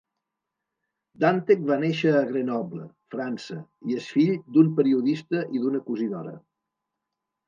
Dantec va néixer a Grenoble, França, i és fill d'un periodista i d'una cosidora.